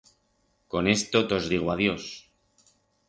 Con esto tos digo adiós.